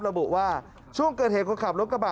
ระบุว่าช่วงเกิดเหตุคนขับรถกระบะ